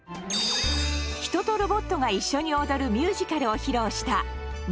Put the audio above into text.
人とロボットが一緒に踊るミュージカルを披露した長野高専。